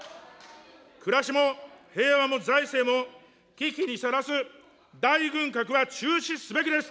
暮らしも平和も財政も危機にさらす大軍拡は中止すべきです。